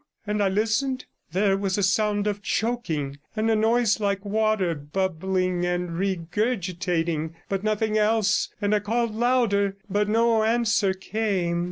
And I listened. There was a sound of choking, and a noise like water bubbling and regurgitating, but nothing else, and I called louder, but no answer came.